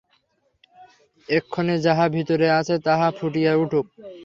এক্ষণে যাহা ভিতরে আছে, তাহাই ফুটিয়া উঠুক।